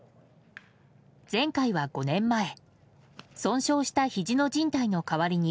前回は５年前、損傷したひじのじん帯の代わりに